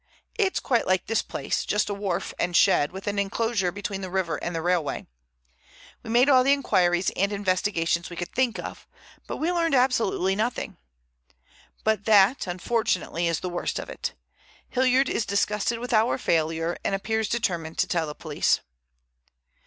"It's quite like this place; just a wharf and shed, with an enclosure between the river and the railway. We made all the inquiries and investigations we could think of, but we learned absolutely nothing. But that, unfortunately, is the worst of it. Hilliard is disgusted with our failure and appears determined to tell the police."